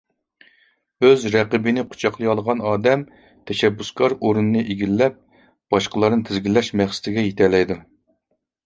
ئۆز رەقىبىنى قۇچاقلىيالىغان ئادەم تەشەببۇسكار ئورۇننى ئىگىلەپ باشقىلارنى تىزگىنلەش مەقسىتىگە يېتەلەيدۇ.